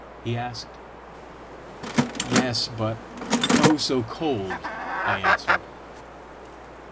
he asked. "Yes; but oh, so cold!" I answered.